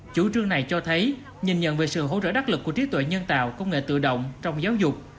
chủ trương này cho thấy nhìn nhận về sự hỗ trợ đắc lực của trí tuệ nhân tạo công nghệ tự động trong giáo dục